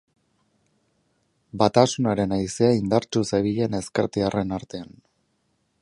Batasunaren haizea indartsu zebilen ezkertiarren artean.